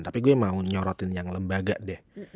tapi gue mau nyorotin yang lembaga deh